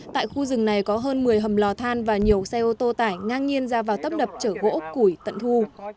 tại khu rừng này có hơn một mươi hầm lò than và nhiều xe ô tô tải ngang nhiên ra vào tấp đập trở gỗ củi tận thu